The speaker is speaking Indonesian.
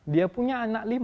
dia punya anak lima